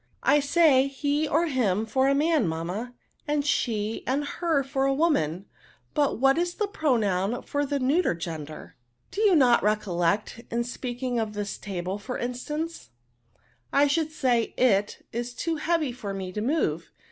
*^ I say, he or him, for a man, mamma ; and she and her, for a woman : but what is the pronoun for the neuter gender ? MoyNs. 1915 Do not you recollect t in speaking of this table, for instance*" " I should say, it is too heavy for me to move.